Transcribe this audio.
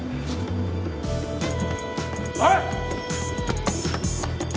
おい！